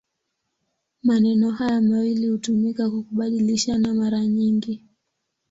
Maneno haya mawili hutumika kwa kubadilishana mara nyingi.